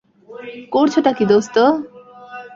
করছটা কি দোস্ত?